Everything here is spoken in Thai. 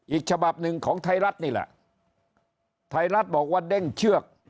อีกฉบับหนึ่งของไทยรัฐนี่แหละไทยรัฐบอกว่าเด้งเชือก